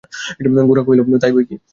গোরা কহিল, তাই বৈকি!